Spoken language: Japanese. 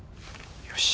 よし。